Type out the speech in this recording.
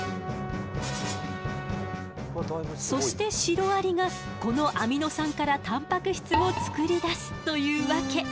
そしてシロアリがこのアミノ酸からたんぱく質を作り出すというわけ。